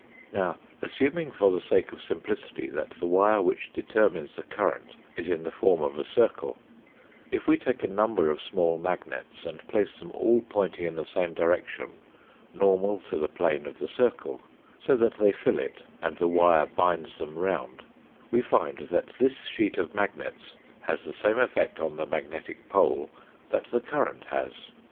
Now, assuming for the sake of simplicity that the wire which determines the current is in the form of a circle, if we take a number of small magnets and place them all pointing in the same direction normal to the plane of the circle, so that they fill it and the wire binds them round, we find that this sheet of magnets has the same effect on the magnetic pole that the current has.